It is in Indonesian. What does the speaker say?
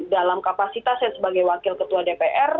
dalam kapasitasnya sebagai wakil ketua dpr